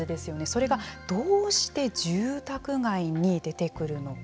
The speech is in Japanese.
それが、どうして住宅街に出てくるのか。